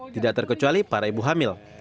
tidak terkecuali para ibu hamil